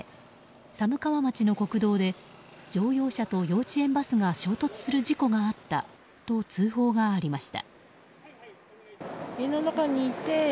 寒川町の国道で乗用車と幼稚園バスが衝突する事故があったと通報がありました。